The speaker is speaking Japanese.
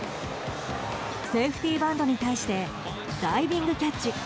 セーフティーバントに対してダイビングキャッチ。